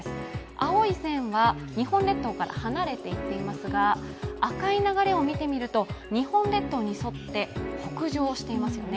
青い線が日本列島から離れていっていますが、赤い流れを見てみると日本列島に沿って北上していますよね。